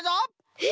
えっ？